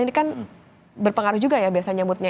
ini kan berpengaruh juga ya biasanya moodnya